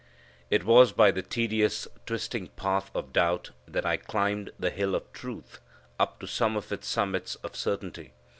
It was by the tedious, twisting path of doubt that I climbed the hill of truth up to some of its summits of certainty.